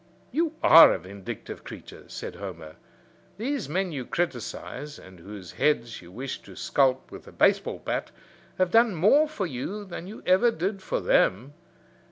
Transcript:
"You are a vindictive creature," said Homer. "These men you criticise, and whose heads you wish to sculp with a baseball bat, have done more for you than you ever did for them.